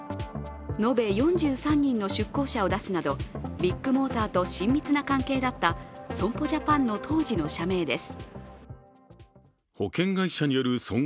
延べ４３人の出向者を出すなどビッグモーターと親密な関係だった損保ジャパンの当時の社名です。